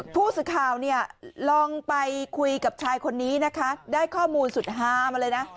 ผู้สื่อข่าวเนี่ยลองไปคุยกับชายคนนี้นะคะได้ข้อมูลสุดฮามาเลยนะ